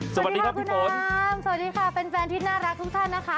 สวัสดีครับคุณอามสวัสดีค่ะแฟนที่น่ารักทุกท่านนะคะ